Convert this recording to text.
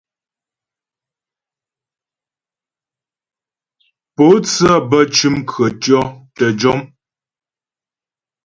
Pǒtsə bə́ cʉm khətʉɔ̌ tə́ jɔm.